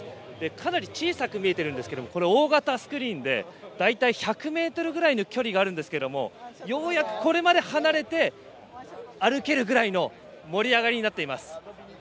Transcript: かなり小さく見えているんですが大型スクリーンで大体１００ｍぐらいの距離があるんですけどもようやく、これまで離れて歩けるくらいの盛り上がりになっています。